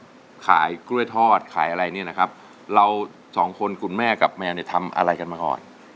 มาทำขายกล้วยทอดขายอะไรนะครับเราสองคนคุณแม่กับแม่เด็กทำอะไรกันมาก่อน